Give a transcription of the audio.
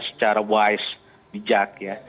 secara wise bijak ya